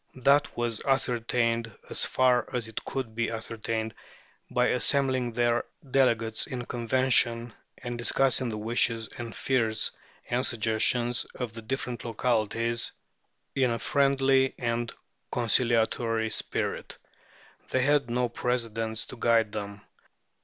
That was ascertained, as far as it could be ascertained, by assembling their delegates in convention, and discussing the wishes and fears and suggestions of the different localities in a friendly and conciliatory spirit. They had no precedents to guide them.